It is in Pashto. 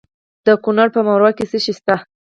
د کونړ په مروره کې څه شی شته؟